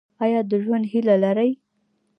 ایا د ژوند هیله لرئ؟